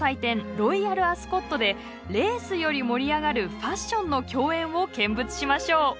ロイヤルアスコットでレースより盛り上がるファッションの競演を見物しましょう。